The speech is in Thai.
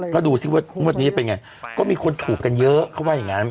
ก็ดูสิว่างวดนี้จะเป็นไงก็มีคนถูกกันเยอะเขาว่าอย่างนั้น